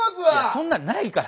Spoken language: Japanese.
そんなのないから。